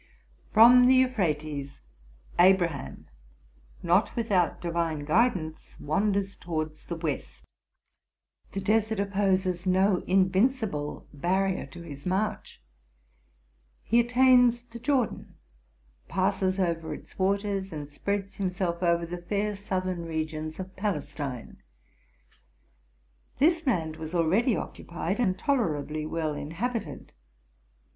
From the Euphrates, Abraham, not without divine guid ance, wanders towards the west. The desert opposes no invincible barrier to his march. He attains the Jordan. passes over its waters, and spreads himself over the fair southern regions of Palestine. This land was already oecu pied, and tolerably well inhabited.